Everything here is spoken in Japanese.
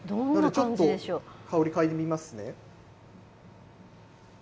ちょっと香り嗅いでみますね。